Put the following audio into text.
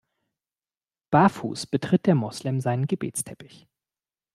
Barfuß betritt der Moslem seinen Gebetsteppich.